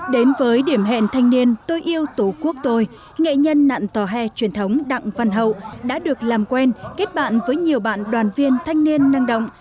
đến với điểm hẹn thanh niên tôi yêu tổ quốc tôi nghệ nhân nạn tòa hè truyền thống đặng văn hậu đã được làm quen kết bạn với nhiều bạn đoàn viên thanh niên năng động